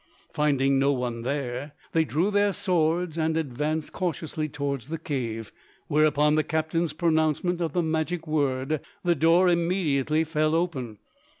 Finding no one there, they drew their swords and advanced cautiously toward the cave, where, upon the captain's pronouncement of the magic word, the door immediately fell open.